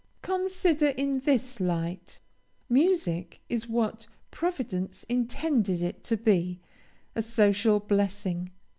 Consider in this light, music is what Providence intended it to be a social blessing.